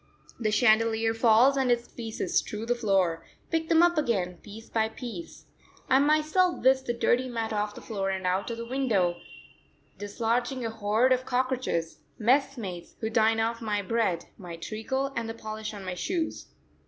The chandelier falls and its pieces strew the floor; pick them up again piece by piece. I myself whisk the dirty mat off the floor and out of the window, dislodging a horde of cockroaches, messmates, who dine off my bread, my treacle, and the polish on my shoes.